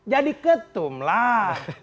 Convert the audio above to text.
jadi ketum lah